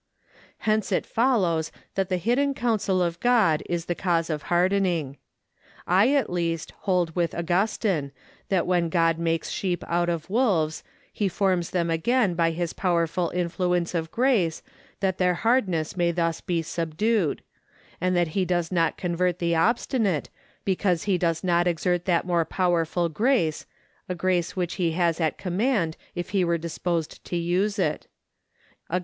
Hence it follows that the hidden counsel of God is the cause of hardening. I at least hold with Augustine, that when God makes sheep out of wolves he forms them again by the powerful influence of grace, that their hardness may thus be subdued; and that he does not convert the obstinate, because he does not exert that more powerful grace, a grace which he has at command if he were disposed to use it (August, de Prædest.